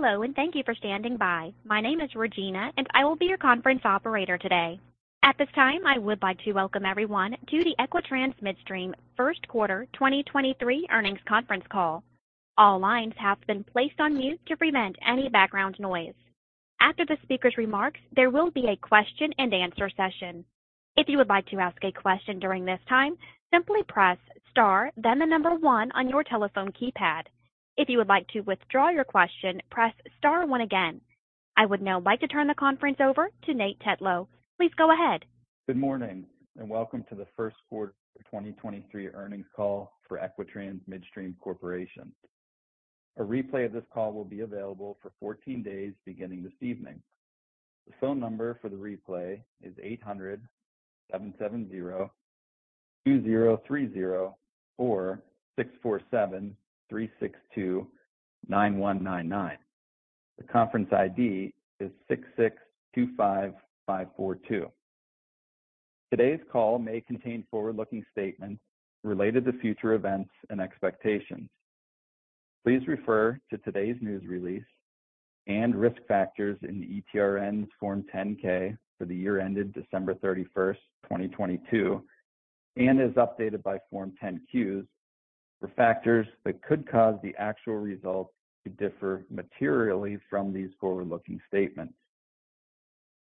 Hello, thank you for standing by. My name is Regina, I will be your conference operator today. At this time, I would like to welcome everyone to the Equitrans Midstream first quarter 2023 earnings conference call. All lines have been placed on mute to prevent any background noise. After the speaker's remarks, there will be a question-and-answer session. If you would like to ask a question during this time, simply press Star, then the number 1 on your telephone keypad. If you would like to withdraw your question, press Star 1 again. I would now like to turn the conference over to Nate Tetlow. Please go ahead. Good morning, welcome to the first quarter 2023 earnings call for Equitrans Midstream Corporation. A replay of this call will be available for 14 days beginning this evening. The phone number for the replay is 800-770-2030 or 647-362-9199. The conference ID is 6625542. Today's call may contain forward-looking statements related to future events and expectations. Please refer to today's news release and risk factors in ETRN's Form 10-K for the year ended December 31st, 2022, and as updated by Form 10-Qs for factors that could cause the actual results to differ materially from these forward-looking statements.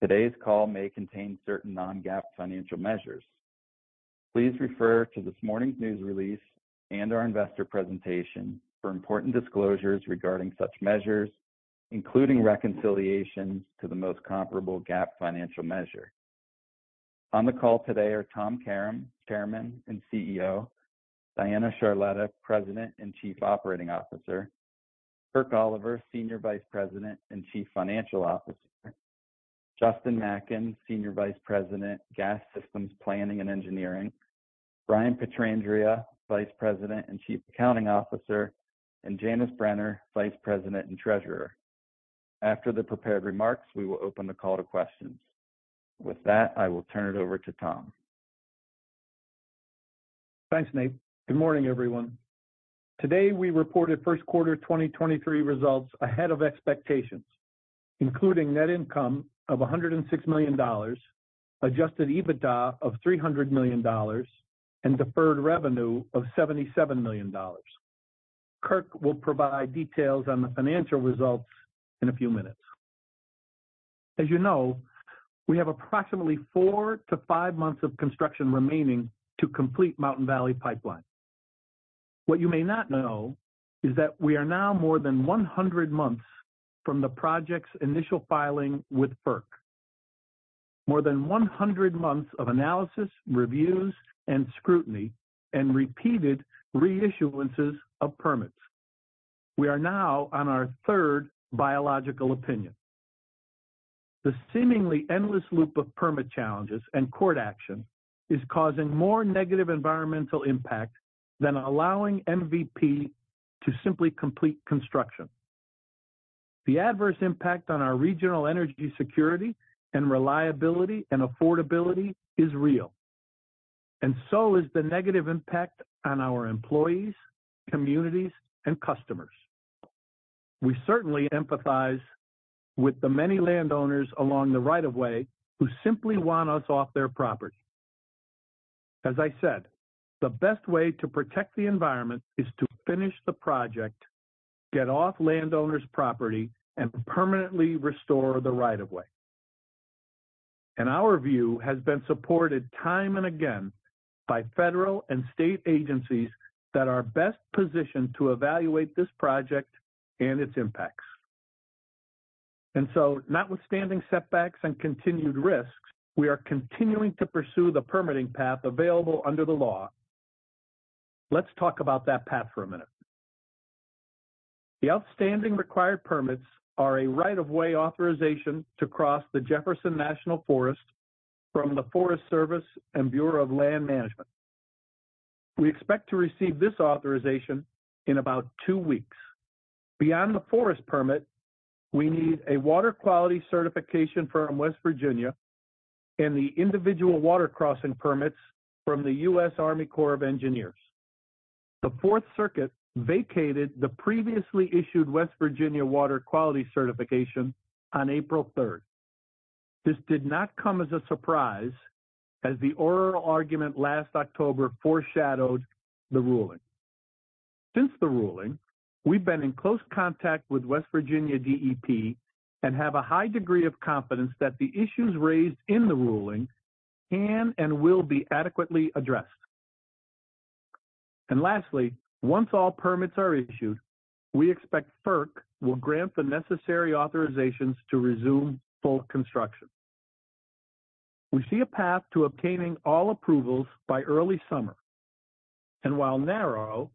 Today's call may contain certain non-GAAP financial measures. Please refer to this morning's news release and our investor presentation for important disclosures regarding such measures, including reconciliations to the most comparable GAAP financial measure. On the call today are Tom Karam, Chairman and CEO; Diana Charletta, President and Chief Operating Officer; Kirk Oliver, Senior Vice President and Chief Financial Officer; Justin Macken, Senior Vice President, Gas Systems Planning and Engineering; Brian Pietrandrea, Vice President and Chief Accounting Officer; and Janice Brenner, Vice President and Treasurer. After the prepared remarks, we will open the call to questions. With that, I will turn it over to Tom. Thanks, Nate. Good morning, everyone. Today we reported first quarter 2023 results ahead of expectations, including net income of $106 million, adjusted EBITDA of $300 million, and deferred revenue of $77 million. Kirk will provide details on the financial results in a few minutes. You know, we have approximately 4-5 months of construction remaining to complete Mountain Valley Pipeline. What you may not know is that we are now more than 100 months from the project's initial filing with FERC. More than 100 months of analysis, reviews, and scrutiny and repeated reissuances of permits. We are now on our third Biological Opinion. The seemingly endless loop of permit challenges and court action is causing more negative environmental impact than allowing MVP to simply complete construction. The adverse impact on our regional energy security and reliability and affordability is real, and so is the negative impact on our employees, communities, and customers. We certainly empathize with the many landowners along the right of way who simply want us off their property. As I said, the best way to protect the environment is to finish the project, get off landowners' property, and permanently restore the right of way. Our view has been supported time and again by federal and state agencies that are best positioned to evaluate this project and its impacts. Notwithstanding setbacks and continued risks, we are continuing to pursue the permitting path available under the law. Let's talk about that path for a minute. The outstanding required permits are a right of way authorization to cross the Jefferson National Forest from the Forest Service and Bureau of Land Management. We expect to receive this authorization in about 2 weeks. Beyond the forest permit, we need a water quality certification from West Virginia and the individual water crossing permits from the U.S. Army Corps of Engineers. The Fourth Circuit vacated the previously issued West Virginia Water Quality Certification on April 3rd. This did not come as a surprise, as the oral argument last October foreshadowed the ruling. Since the ruling, we've been in close contact with West Virginia DEP and have a high degree of confidence that the issues raised in the ruling can and will be adequately addressed. Once all permits are issued, we expect FERC will grant the necessary authorizations to resume full construction. We see a path to obtaining all approvals by early summer. While narrow,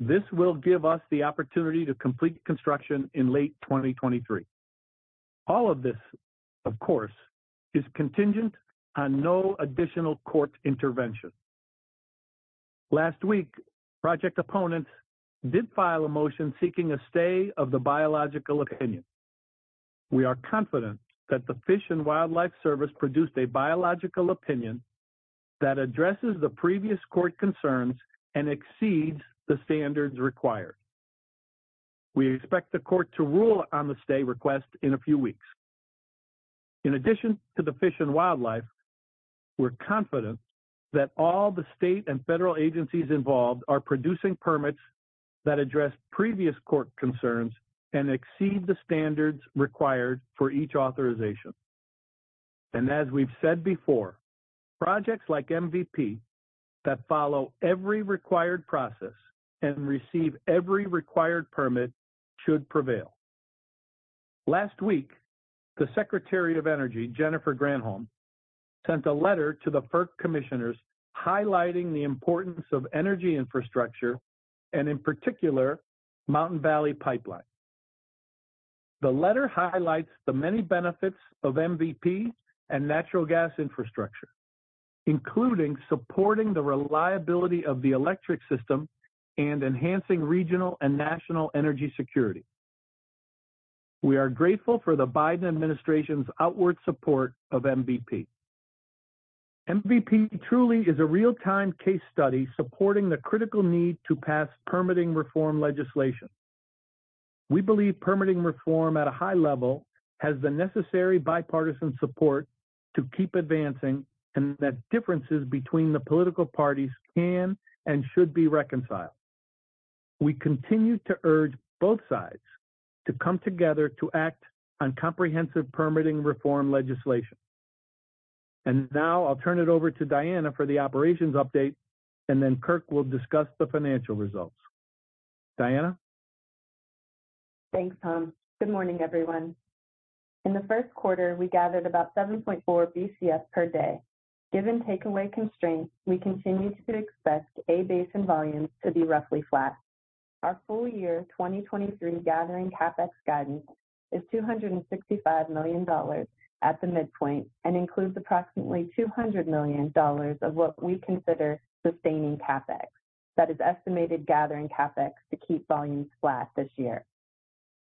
this will give us the opportunity to complete construction in late 2023. All of this, of course, is contingent on no additional court intervention. Last week, project opponents did file a motion seeking a stay of the Biological Opinion. We are confident that the Fish and Wildlife Service produced a Biological Opinion that addresses the previous court concerns and exceeds the standards required. We expect the court to rule on the stay request in a few weeks. In addition to the Fish and Wildlife, we're confident that all the state and federal agencies involved are producing permits that address previous court concerns and exceed the standards required for each authorization. And as we've said before, projects like MVP that follow every required process and receive every required permit should prevail. Last week, the Secretary of Energy, Jennifer Granholm, sent a letter to the FERC commissioners highlighting the importance of energy infrastructure and in particular, Mountain Valley Pipeline. The letter highlights the many benefits of MVP and natural gas infrastructure, including supporting the reliability of the electric system and enhancing regional and national energy security. We are grateful for the Biden administration's outward support of MVP. MVP truly is a real-time case study supporting the critical need to pass permitting reform legislation. We believe permitting reform at a high level has the necessary bipartisan support to keep advancing, and that differences between the political parties can and should be reconciled. We continue to urge both sides to come together to act on comprehensive permitting reform legislation. Now I'll turn it over to Diana for the operations update, and then Kirk will discuss the financial results. Diana? Thanks, Tom. Good morning, everyone. In the first quarter, we gathered about 7.4 Bcf per day. Given takeaway constraints, we continue to expect Appalachian Basin volumes to be roughly flat. Our full year 2023 gathering CapEx guidance is $265 million at the midpoint and includes approximately $200 million of what we consider sustaining CapEx. That is estimated gathering CapEx to keep volumes flat this year.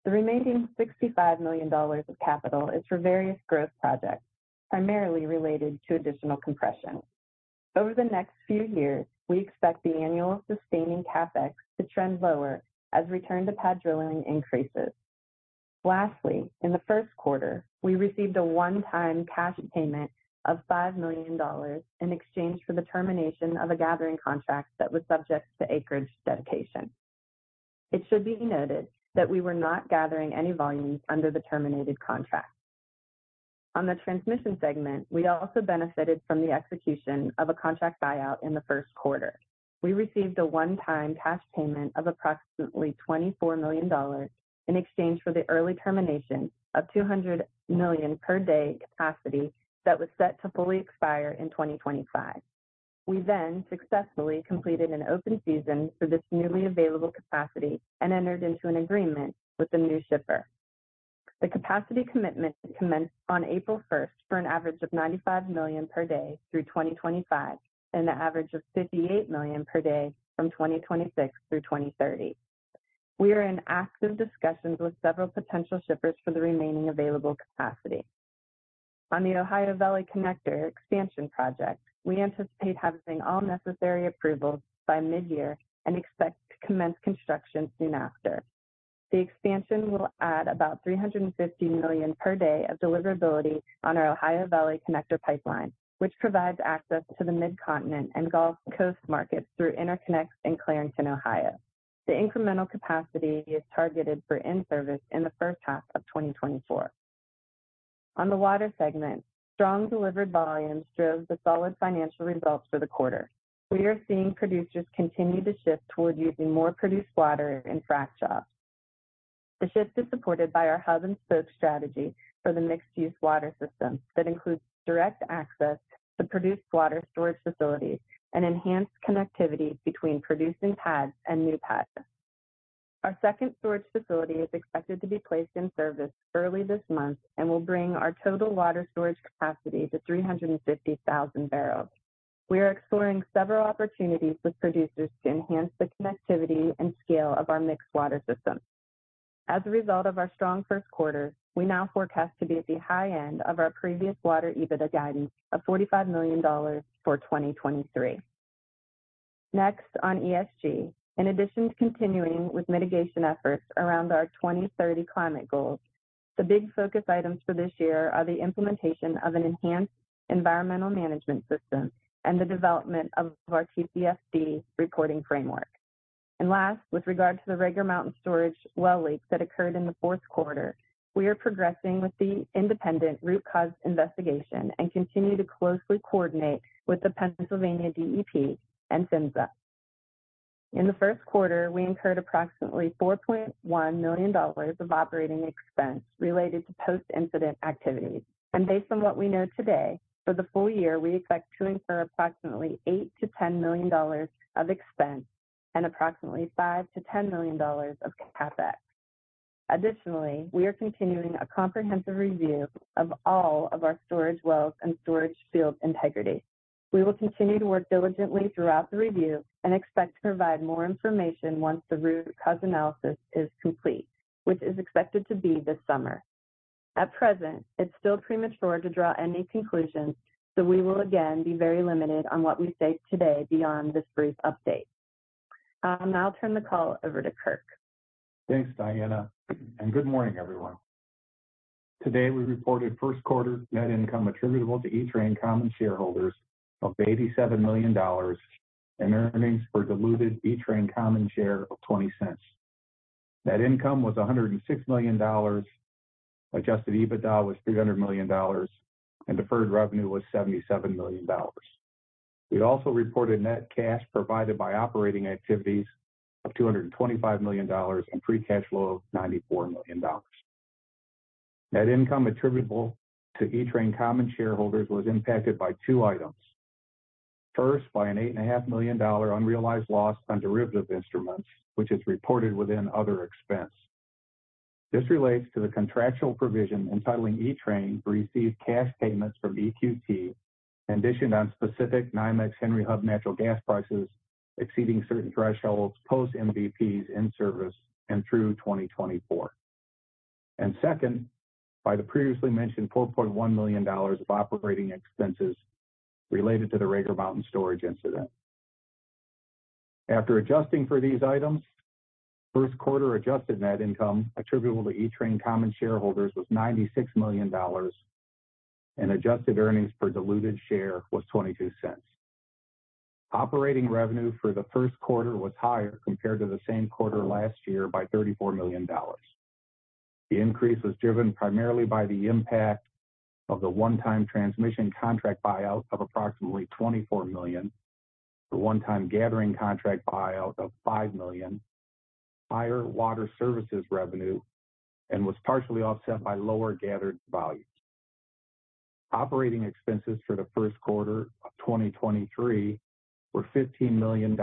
The remaining $65 million of capital is for various growth projects, primarily related to additional compression. Over the next few years, we expect the annual sustaining CapEx to trend lower as return to pad drilling increases. Lastly, in the first quarter, we received a one-time cash payment of $5 million in exchange for the termination of a gathering contract that was subject to acreage dedication. It should be noted that we were not gathering any volumes under the terminated contract. On the transmission segment, we also benefited from the execution of a contract buyout in the first quarter. We received a one-time cash payment of approximately $24 million in exchange for the early termination of 200 million per day capacity that was set to fully expire in 2025. We successfully completed an open season for this newly available capacity and entered into an agreement with a new shipper. The capacity commitment commenced on April 1st for an average of 95 million per day through 2025 and an average of 58 million per day from 2026 through 2030. We are in active discussions with several potential shippers for the remaining available capacity. On the Ohio Valley Connector Expansion project, we anticipate having all necessary approvals by mid-year and expect to commence construction soon after. The expansion will add about 350 million per day of deliverability on our Ohio Valley Connector pipeline, which provides access to the Midcontinent and Gulf Coast markets through interconnects in Clarington, Ohio. The incremental capacity is targeted for in-service in the first half of 2024. On the water segment, strong delivered volumes drove the solid financial results for the quarter. We are seeing producers continue to shift toward using more produced water in frack jobs. The shift is supported by our hub-and-spoke strategy for the mixed-use water system that includes direct access to produced water storage facilities and enhanced connectivity between producing pads and new pads. Our second storage facility is expected to be placed in service early this month and will bring our total water storage capacity to 350,000 barrels. We are exploring several opportunities with producers to enhance the connectivity and scale of our mixed water system. As a result of our strong first quarter, we now forecast to be at the high end of our previous water EBITDA guidance of $45 million for 2023. On ESG. In addition to continuing with mitigation efforts around our 2030 climate goals, the big focus items for this year are the implementation of an enhanced environmental management system and the development of our TCFD reporting framework. Last, with regard to the Rager Mountain storage well leaks that occurred in the fourth quarter, we are progressing with the independent root cause investigation and continue to closely coordinate with the Pennsylvania DEP and PHMSA. In the first quarter, we incurred approximately $4.1 million of operating expense related to post-incident activities. Based on what we know today, for the full year, we expect to incur approximately $8 million-$10 million of expense and approximately $5 million-$10 million of CapEx. Additionally, we are continuing a comprehensive review of all of our storage wells and storage field integrity. We will continue to work diligently throughout the review and expect to provide more information once the root cause analysis is complete, which is expected to be this summer. At present, it's still premature to draw any conclusions, so we will again be very limited on what we say today beyond this brief update. I'll turn the call over to Kirk. Thanks, Diana, good morning, everyone. Today, we reported first quarter net income attributable to ETRN common shareholders of $87 million and earnings per diluted ETRN common share of $0.20. Net income was $106 million. Adjusted EBITDA was $300 million, and deferred revenue was $77 million. We also reported net cash provided by operating activities of $225 million and free cash flow of $94 million. Net income attributable to ETRN common shareholders was impacted by two items. First, by an eight-and-a-half million dollar unrealized loss on derivative instruments, which is reported within other expense. This relates to the contractual provision entitling ETRN to receive cash payments from EQT conditioned on specific NYMEX Henry Hub natural gas prices exceeding certain thresholds post MVP's in-service and through 2024. Second, by the previously mentioned $4.1 million of operating expenses related to the Rager Mountain storage incident. After adjusting for these items, first quarter adjusted net income attributable to ETRN common shareholders was $96 million and adjusted earnings per diluted share was $0.22. Operating revenue for the first quarter was higher compared to the same quarter last year by $34 million. The increase was driven primarily by the impact of the one-time transmission contract buyout of approximately $24 million, the one-time gathering contract buyout of $5 million, higher water services revenue, and was partially offset by lower gathered volumes. Operating expenses for the first quarter of 2023 were $15 million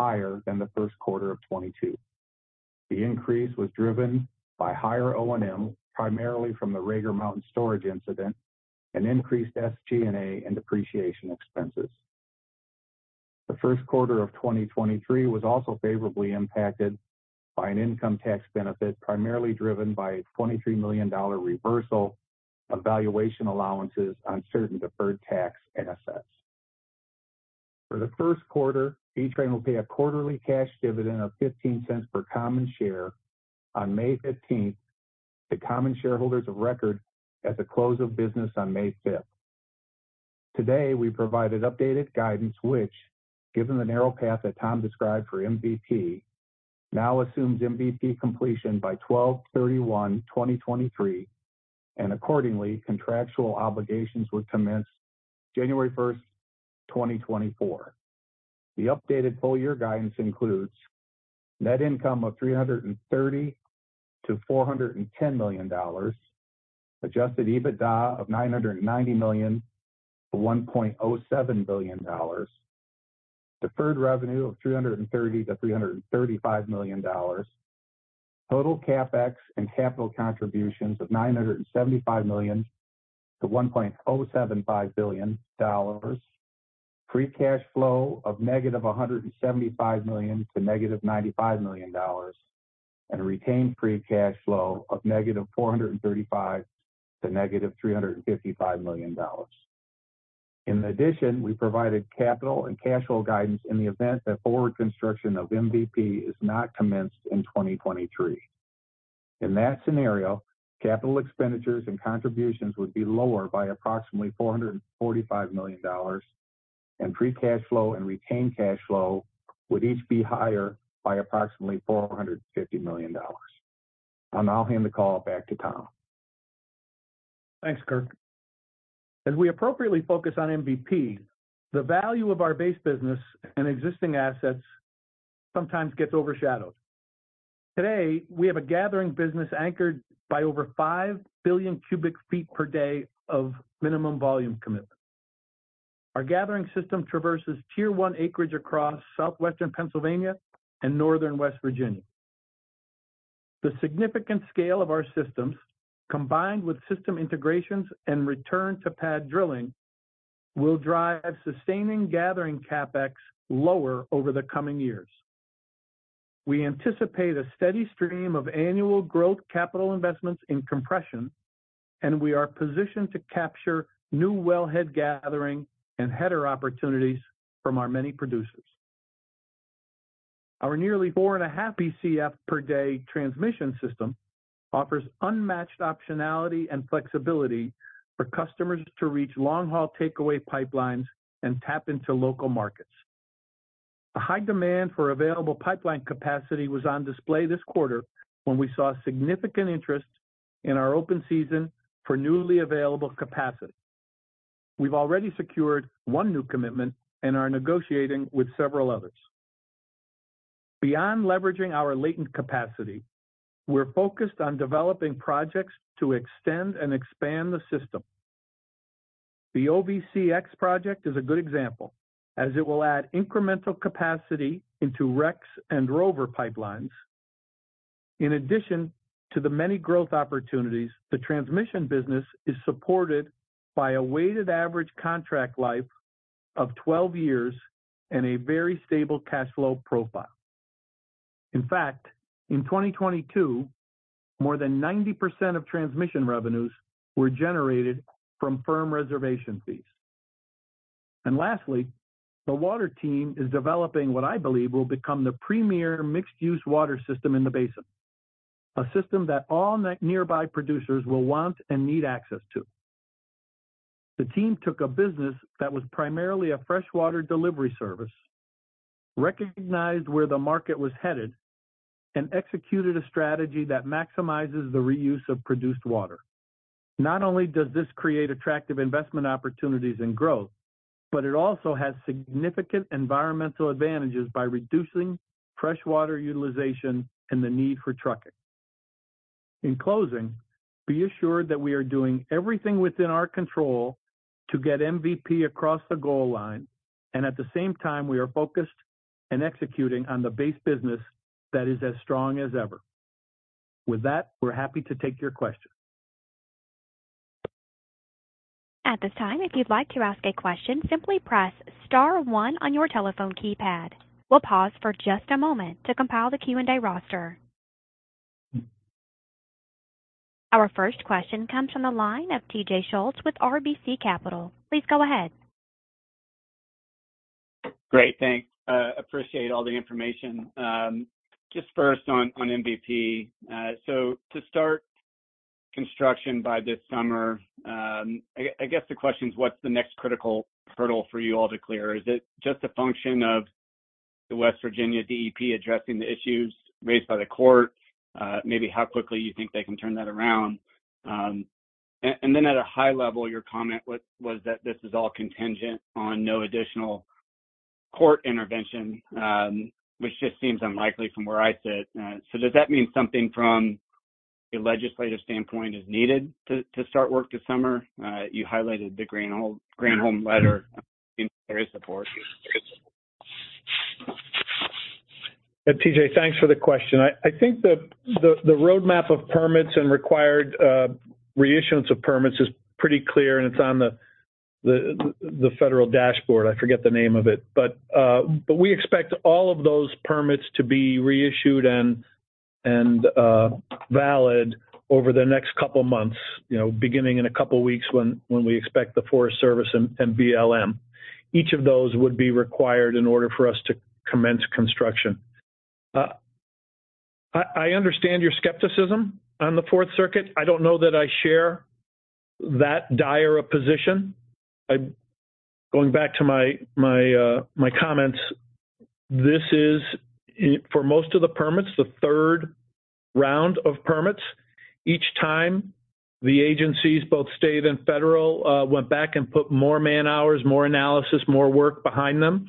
higher than the first quarter of 2022. The increase was driven by higher O&M, primarily from the Rager Mountain storage incident and increased SG&A and depreciation expenses. The first quarter of 2023 was also favorably impacted by an income tax benefit, primarily driven by a $23 million reversal of valuation allowances on certain deferred tax assets. For the first quarter, ETRN will pay a quarterly cash dividend of $0.15 per common share on May 15th to common shareholders of record at the close of business on May 5th. Today, we provided updated guidance which, given the narrow path that Tom described for MVP, now assumes MVP completion by 12/31/2023. Accordingly, contractual obligations would commence January 1st, 2024. The updated full year guidance includes net income of $330 million-$410 million. adjusted EBITDA of $990 million-$1.07 billion. deferred revenue of $330 million-$335 million. Total CapEx and capital contributions of $975 million to $1.075 billion. Free cash flow of negative $175 million to negative $95 million. Retained free cash flow of negative $435 million to negative $355 million. In addition, we provided capital and cash flow guidance in the event that forward construction of MVP is not commenced in 2023. In that scenario, capital expenditures and contributions would be lower by approximately $445 million and free cash flow and retained cash flow would each be higher by approximately $450 million. I'll now hand the call back to Tom. Thanks, Kirk. As we appropriately focus on MVP, the value of our base business and existing assets sometimes gets overshadowed. Today, we have a gathering business anchored by over 5 billion cubic feet per day of minimum volume commitment. Our gathering system traverses Tier 1 acreage across southwestern Pennsylvania and northern West Virginia. The significant scale of our systems, combined with system integrations and return to pad drilling, will drive sustaining gathering CapEx lower over the coming years. We anticipate a steady stream of annual growth capital investments in compression. We are positioned to capture new wellhead gathering and header opportunities from our many producers. Our nearly 4.5 Bcf per day transmission system offers unmatched optionality and flexibility for customers to reach long-haul takeaway pipelines and tap into local markets. The high demand for available pipeline capacity was on display this quarter when we saw significant interest in our open season for newly available capacity. We've already secured one new commitment and are negotiating with several others. Beyond leveraging our latent capacity, we're focused on developing projects to extend and expand the system. The OVCX project is a good example, as it will add incremental capacity into REX and Rover pipelines. In addition to the many growth opportunities, the transmission business is supported by a weighted average contract life of 12 years and a very stable cash flow profile. In fact, in 2022, more than 90% of transmission revenues were generated from firm reservation fees. Lastly, the water team is developing what I believe will become the premier mixed-use water system in the basin. A system that all net nearby producers will want and need access to. The team took a business that was primarily a fresh water delivery service, recognized where the market was headed, and executed a strategy that maximizes the reuse of produced water. Not only does this create attractive investment opportunities and growth, but it also has significant environmental advantages by reducing fresh water utilization and the need for trucking. In closing, be assured that we are doing everything within our control to get MVP across the goal line, at the same time we are focused in executing on the base business that is as strong as ever. With that, we're happy to take your questions. At this time, if you'd like to ask a question, simply press star 1 on your telephone keypad. We'll pause for just a moment to compile the Q&A roster. Our first question comes from the line of TJ Schultz with RBC Capital. Please go ahead. Great. Thanks. Appreciate all the information. Just first on MVP. To start construction by this summer, I guess the question is what's the next critical hurdle for you all to clear? Is it just a function of the West Virginia DEP addressing the issues raised by the court? Maybe how quickly you think they can turn that around. At a high level, your comment was that this is all contingent on no additional court intervention, which just seems unlikely from where I sit. Does that mean something from a legislative standpoint is needed to start work this summer? You highlighted the Granholm letter in various reports. Yeah, TJ, thanks for the question. I think the roadmap of permits and required reissuance of permits is pretty clear, and it's on the federal dashboard. I forget the name of it. We expect all of those permits to be reissued and valid over the next couple of months. You know, beginning in a couple of weeks when we expect the Forest Service and BLM. Each of those would be required in order for us to commence construction. I understand your skepticism on the Fourth Circuit. I don't know that I share that dire a position. I'm going back to my comments. This is for most of the permits, the third round of permits. Each time the agencies, both state and federal, went back and put more man-hours, more analysis, more work behind them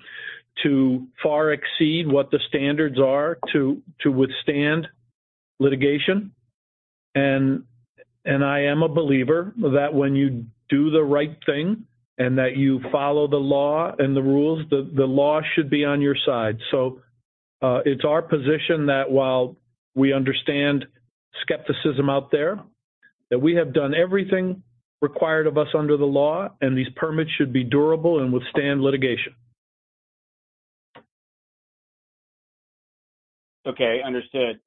to far exceed what the standards are to withstand litigation. I am a believer that when you do the right thing and that you follow the law and the rules, the law should be on your side. It's our position that while we understand skepticism out there, that we have done everything required of us under the law, and these permits should be durable and withstand litigation. Okay. Understood.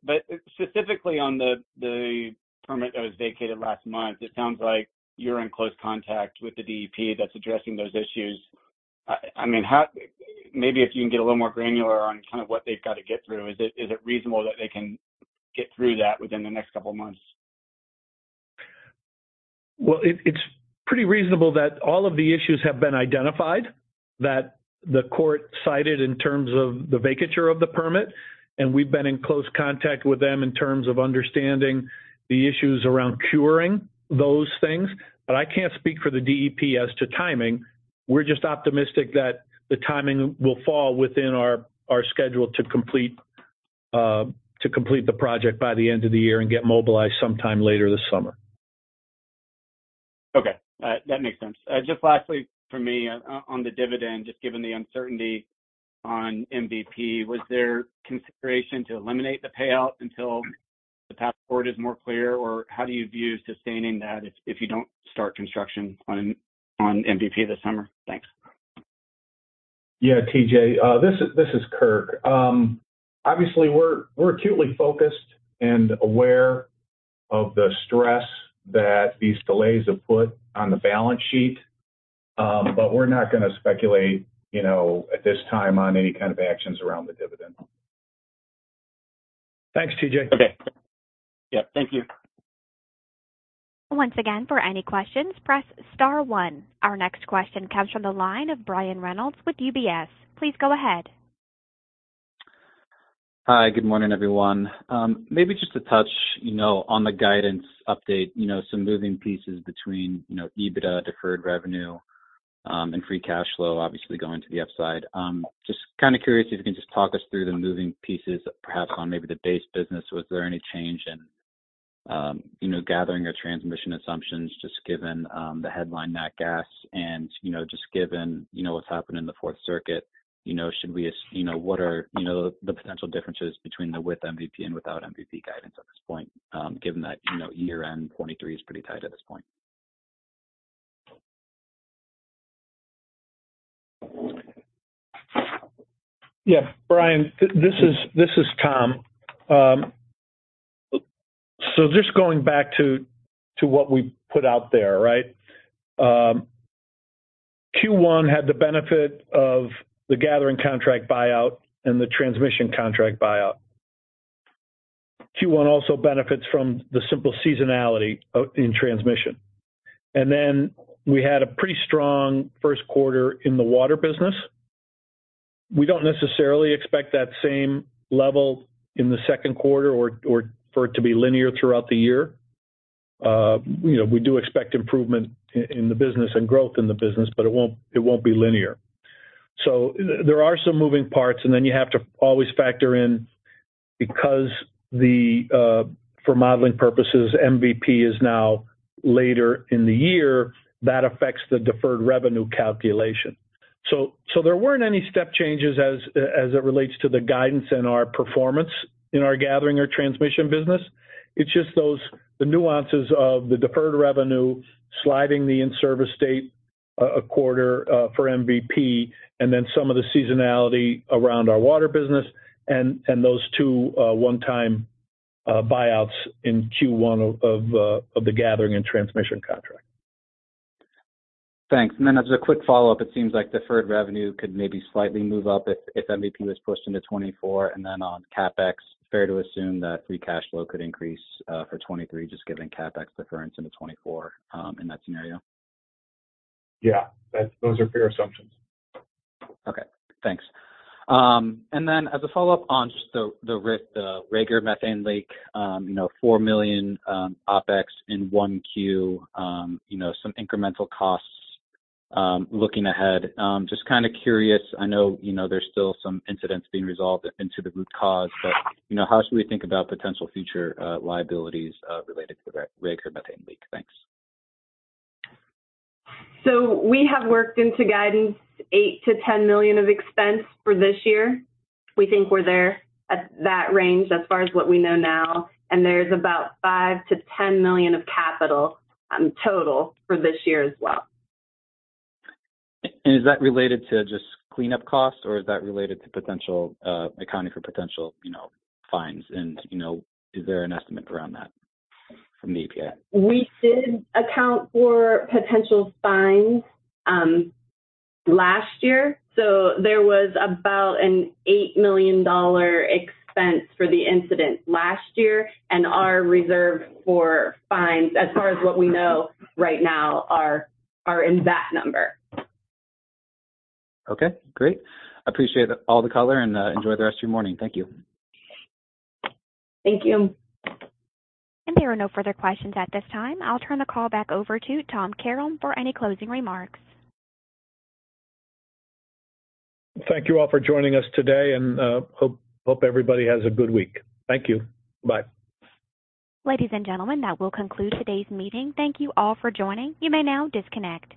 Specifically on the permit that was vacated last month, it sounds like you're in close contact with the DEP that's addressing those issues. I mean, Maybe if you can get a little more granular on kind of what they've got to get through. Is it reasonable that they can get through that within the next couple of months? Well, it's pretty reasonable that all of the issues have been identified that the court cited in terms of the vacature of the permit. We've been in close contact with them in terms of understanding the issues around curing those things. I can't speak for the DEP as to timing. We're just optimistic that the timing will fall within our schedule to complete the project by the end of the year and get mobilized sometime later this summer. Okay. That makes sense. Just lastly for me on the dividend, just given the uncertainty on MVP, was there consideration to eliminate the payout until the path forward is more clear? How do you view sustaining that if you don't start construction on MVP this summer? Thanks. Yeah, TJ, this is Kirk. Obviously, we're acutely focused and aware of the stress that these delays have put on the balance sheet. We're not gonna speculate, you know, at this time on any kind of actions around the dividend. Thanks, TJ. Okay. Yeah. Thank you. Once again, for any questions, press star 1. Our next question comes from the line of Brian Reynolds with UBS. Please go ahead. Hi. Good morning, everyone. Maybe just to touch, you know, on the guidance update. You know, some moving pieces between, you know, EBITDA, deferred revenue, and free cash flow, obviously going to the upside. Just kind of curious if you can just talk us through the moving pieces, perhaps on maybe the base business. Was there any change in, you know, gathering or transmission assumptions just given, the headline nat gas and, you know, just given, you know, what's happened in the Fourth Circuit. You know, should we, you know, what are, you know, the potential differences between the with MVP and without MVP guidance at this point, given that, you know, year-end '23 is pretty tight at this point? Brian, this is Tom. just going back to what we put out there, right? Q1 had the benefit of the gathering contract buyout and the transmission contract buyout. Q1 also benefits from the simple seasonality in transmission. Then we had a pretty strong first quarter in the water business. We don't necessarily expect that same level in the second quarter or for it to be linear throughout the year. you know, we do expect improvement in the business and growth in the business, but it won't be linear. There are some moving parts, then you have to always factor in because for modeling purposes, MVP is now later in the year, that affects the deferred revenue calculation. There weren't any step changes as it relates to the guidance and our performance in our gathering or transmission business. It's just the nuances of the deferred revenue, sliding the in-service date, a quarter for MVP, and then some of the seasonality around our water business and those 2 one-time buyouts in Q1 of the gathering and transmission contract. Thanks. As a quick follow-up, it seems like deferred revenue could maybe slightly move up if MVP was pushed into 2024. On CapEx, fair to assume that free cash flow could increase for 2023, just given CapEx deferments into 2024, in that scenario? Yeah, those are fair assumptions. Okay. Thanks. As a follow-up on just the Rager Mountain methane leak, you know, $4 million OpEx in 1Q, you know, some incremental costs, looking ahead. Just kind of curious, I know, you know, there's still some incidents being resolved into the root cause. You know, how should we think about potential future liabilities related to the Rager Mountain methane leak? Thanks. We have worked into guidance $8 million-$10 million of expense for this year. We think we're there at that range as far as what we know now. There's about $5 million-$10 million of capital total for this year as well. Is that related to just cleanup costs or is that related to potential accounting for potential, you know, fines? You know, is there an estimate around that from the EPA? We did account for potential fines, last year. There was about an $8 million expense for the incident last year, and our reserve for fines, as far as what we know right now, are in that number. Okay, great. Appreciate all the color and enjoy the rest of your morning. Thank you. Thank you. There are no further questions at this time. I'll turn the call back over to Tom Karam for any closing remarks. Thank you all for joining us today, and hope everybody has a good week. Thank you. Bye. Ladies and gentlemen, that will conclude today's meeting. Thank you all for joining. You may now disconnect.